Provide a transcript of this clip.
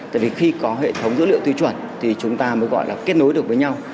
tại vì khi có hệ thống dữ liệu tiêu chuẩn thì chúng ta mới gọi là kết nối được với nhau